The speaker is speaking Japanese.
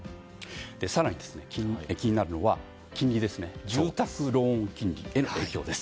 更に、気になるのは住宅ローン金利への影響です。